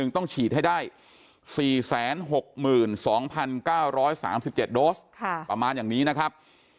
ต้องฉีดให้ได้๔๖๒๙๓๗โดสประมาณอย่างนี้นะครับ